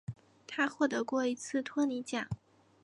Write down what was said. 他获得过一次托尼奖。